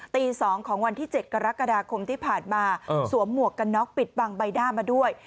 ตี๒ของวันที่๗กรกฎาคมที่ผ่านมาสวมหมวกกันน็อกปิดบังใบหน้ามาด้วย